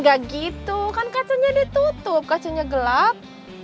gak gitu kan kacanya ditutup kacanya gelap